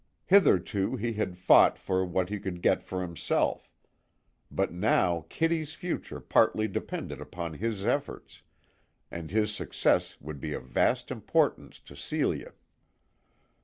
Hitherto he had fought for what he could get for himself; but now Kitty's future partly depended upon his efforts, and his success would be of vast importance to Celia.